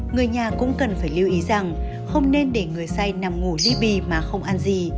người nhà cũng cần phải lưu ý rằng không nên để người say nằm ngủ gp mà không ăn gì